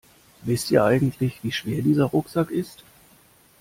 Wisst ihr eigentlich, wie schwer dieser Rucksack ist?